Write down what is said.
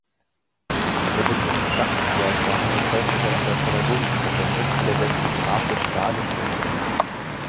Der Begriff „Satzdiagramm“ wird häufiger in der Pädagogik verwendet, in der Sätze „grafisch dargestellt“ werden.